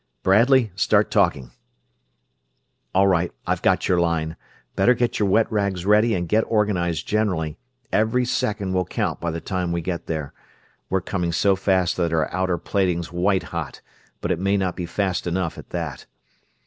"Bradley, start talking ... all right, I've got your line. Better get your wet rags ready and get organized generally every second will count by the time we get there. We're coming so fast that our outer plating's white hot, but it may not be fast enough, at that."